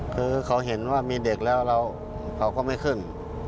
คือเขาเห็นว่ามีเด็กแล้วเขาก็ไม่ขึ้น